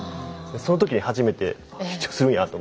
その時に初めて緊張するんやと思って。